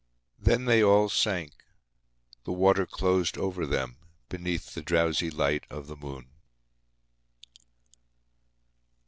Then they all sank, the water closed over them beneath the drowsy light of the moon.